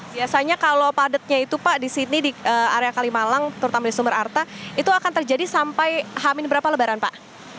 biasanya kalau padatnya itu pak di sini di area kalimalang terutama di sumber arta itu akan terjadi sampai hamin berapa lebaran pak